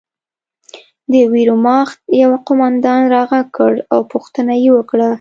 د ویرماخت یوه قومندان را غږ کړ او پوښتنه یې وکړه